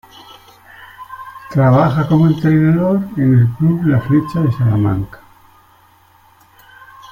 Trabaja como entrenador en El club La Flecha de Salamanca.